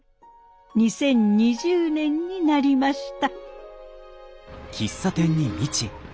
２０２０年になりました。